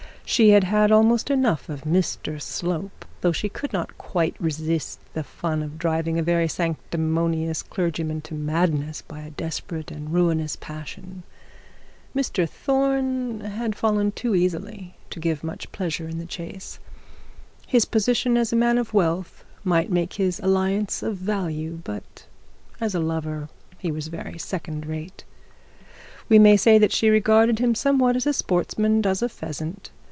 She had had almost enough of Mr Slope, though she could not quite resist the fun of driving a very sanctimonious clergyman to madness by a desperate and ruinous passion. Mr Thorne had fallen too easily to give much pleasure in the chase. His position as a man of wealth might make his alliance of value, but as a lover he was very second rate. We may say that she regarded him somewhat as a sportsman does a pheasant.